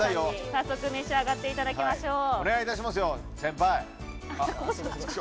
早速、召し上がっていただきましょう。